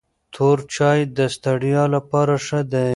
تور چای د ستړیا لپاره ښه دی.